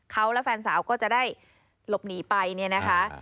เขาและแฟนสาวก็จะได้หลบหนีไปเนี่ยนะคะ